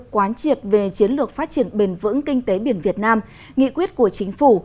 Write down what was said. quán triệt về chiến lược phát triển bền vững kinh tế biển việt nam nghị quyết của chính phủ